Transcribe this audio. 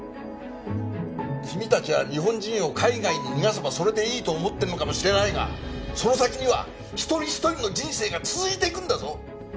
君達は日本人を海外に逃がせばそれでいいと思ってるのかもしれないがその先には一人一人の人生が続いていくんだぞ！